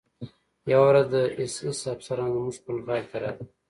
یوه ورځ د اېس ایس افسران زموږ پنډغالي ته راغلل